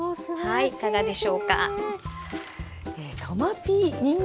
はいいかがでしょうか。